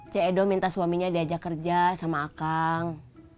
ce edo minta suaminya diajak kerja sama akang